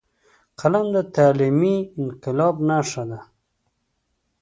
قلم د تعلیمي انقلاب نښه ده